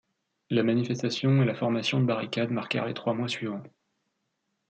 Les manifestations et la formation de barricades marquèrent les trois mois suivants.